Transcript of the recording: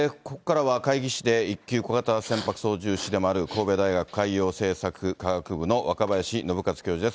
ここからは海技士で１級小型船舶操縦士でもある神戸大学海洋政策科学部の若林伸和教授です。